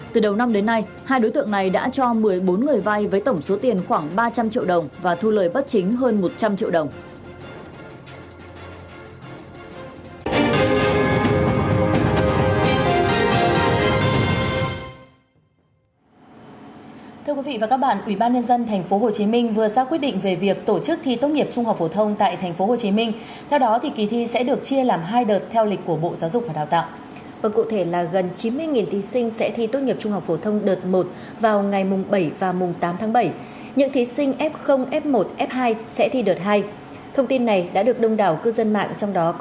từ đầu năm đến nay hai đối tượng này đã cho một mươi bốn người vai với tổng số tiền khoảng ba trăm linh triệu đồng và thu lời bất chính hơn một trăm linh triệu đồng